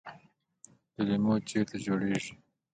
ګلیمونه چیرته جوړیږي؟